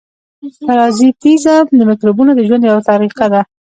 پرازیتېزم د مکروبونو د ژوند یوه طریقه ده.